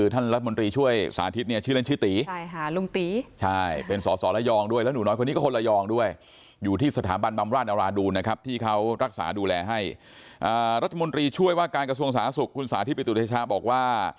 ด้วยว่าการกระทรวงสาธารณสุขคุณสาธิปริตุริยชาบอกว่า